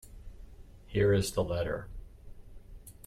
Here is the letter.